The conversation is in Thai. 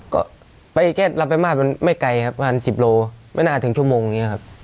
ก็แก๊บรับแม่มาไม่ไกลครับวัน๑๐โมงไม่น่าถึงชั่วโมงอย่างนี้ครับ